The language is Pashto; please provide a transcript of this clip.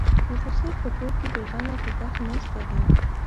د خسر په کور کې بې غمه په تخت ناسته ده.